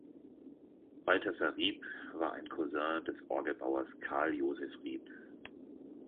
Balthasar Riepp war ein Cousin des Orgelbauers Karl Joseph Riepp.